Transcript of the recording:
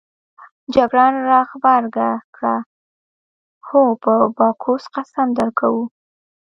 جګړن راغبرګه کړه: هو په باکوس قسم درکوو.